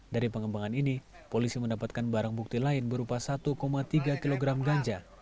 dari pengembangan ini polisi mendapatkan barang bukti lain berupa satu tiga kg ganja